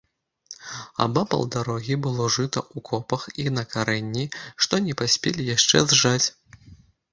Абапал дарогі было жыта ў копах і на карэнні, што не паспелі яшчэ зжаць.